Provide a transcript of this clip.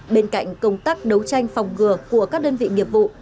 bên cạnh công tác đấu tranh phòng ngừa của các đơn vị nghiệp vụ